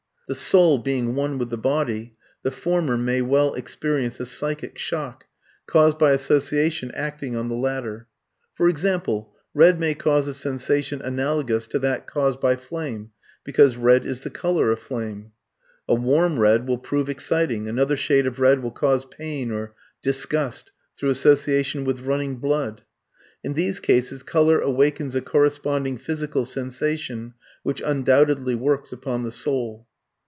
The soul being one with the body, the former may well experience a psychic shock, caused by association acting on the latter. For example, red may cause a sensation analogous to that caused by flame, because red is the colour of flame. A warm red will prove exciting, another shade of red will cause pain or disgust through association with running blood. In these cases colour awakens a corresponding physical sensation, which undoubtedly works upon the soul.